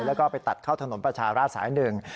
แล้วก็ไปตัดเข้าถนนประชาราชสายหนึ่ง